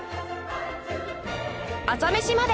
『朝メシまで。』